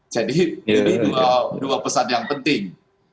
jadi ini dua pesan yang penting